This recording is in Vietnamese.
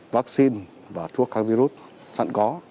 vaccine và thuốc kháng virus sẵn có